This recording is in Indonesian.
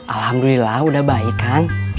alhamdulillah udah baik kan